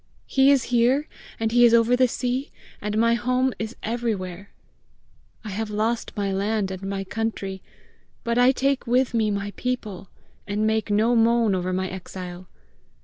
He is here, and he is over the sea, and my home is everywhere! I have lost my land and my country, but I take with me my people, and make no moan over my exile!